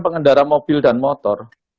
pengendara mobil dan motor